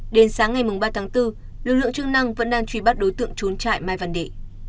đến sáng ngày ba tháng bốn lực lượng chức năng vẫn đang truy bắt đối tượng trốn chạy mai văn đệ